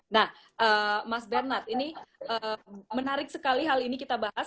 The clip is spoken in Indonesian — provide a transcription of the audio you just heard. nah mas bernard ini menarik sekali hal ini kita bahas